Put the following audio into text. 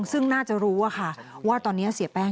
คิดว่าไม่นานคงจับตัวได้แล้วก็จะต้องเค้นไปถามตำรวจที่เกี่ยวข้อง